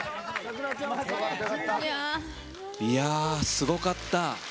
すごかった。